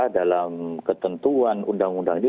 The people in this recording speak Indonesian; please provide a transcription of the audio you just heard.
dalam ketentuan undang undang ini